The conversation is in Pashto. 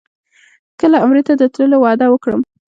کله عمرې ته د تللو وعده وکړم.